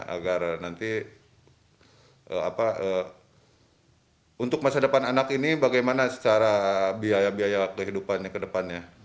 agar nanti untuk masa depan anak ini bagaimana secara biaya biaya kehidupannya ke depannya